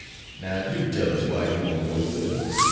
Now, do tell us why you won't go with us.